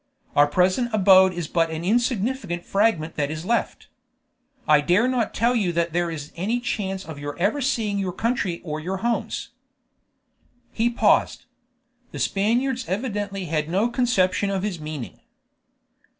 Our present abode is but an insignificant fragment that is left. I dare not tell you that there is any chance of your ever again seeing your country or your homes." He paused. The Spaniards evidently had no conception of his meaning.